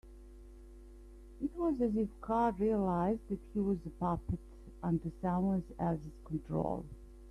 It was as if Carl realised that he was a puppet under someone else's control.